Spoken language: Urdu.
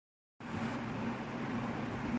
یہی ٹھیک راستہ ہے۔